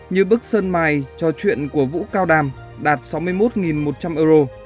như bức sân mài cho chuyện của vũ cao đàm đạt sáu mươi một một trăm linh euro